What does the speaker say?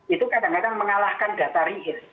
itu kadang kadang mengalahkan data rigid